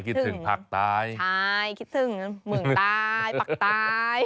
ใช่คิดถึงเหมืองตายผักตาย